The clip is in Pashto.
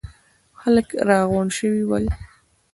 خلک راغونډ شوي ول.